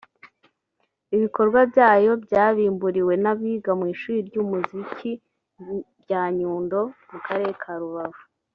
Ibikorwa byayo byabimburiwe n’abiga mu ishuri ry’umuziki rya Nyundo mu karere ka Rubavu